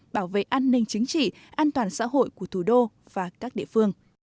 bảo vệ an ninh chính trị an toàn xã hội của thủ đô và các địa phương